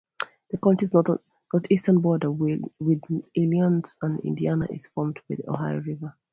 The county's northwestern border with Illinois and Indiana is formed by the Ohio River.